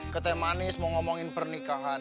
kete manis mau ngomongin pernikahan